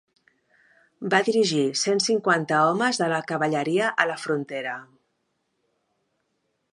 Va dirigir cent cinquanta homes de la cavalleria a la frontera.